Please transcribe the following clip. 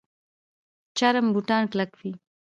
چرم بوټان کلک وي